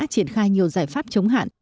triển khai nhiều giải pháp chống hạn